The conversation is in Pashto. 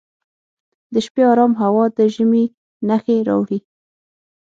د شپې ارام هوا د ژمي نښې راوړي.